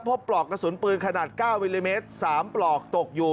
ปลอกกระสุนปืนขนาด๙มิลลิเมตร๓ปลอกตกอยู่